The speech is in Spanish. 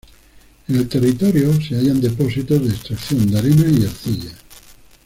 En el territorio se hallan depósitos de extracción de arena y arcilla.